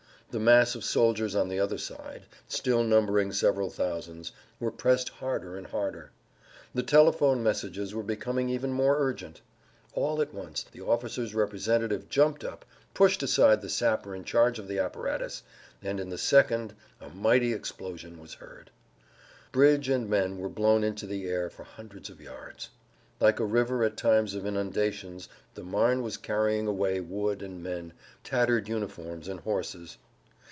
The mass of soldiers on the other side, still numbering several thousands, were pressed harder and harder; the telephone messages were becoming ever more urgent. All at once the officer's representative jumped up, pushed aside the sapper in charge of the apparatus, and in the next second a mighty explosion was heard. Bridge and men[Pg 104] were blown into the air for hundreds of yards. Like a river at times of inundations the Marne was carrying away wood and men, tattered uniforms and horses.